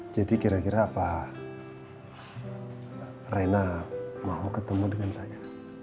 jadi kira kira apa reina mau ketemu dengan saya